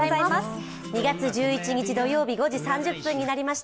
２月１１日土曜日５時３０分になりました。